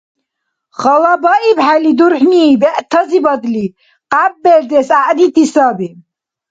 ХалабаибхӀели дурхӀни бегӀтазибадли къяббердес гӀягӀнити саби.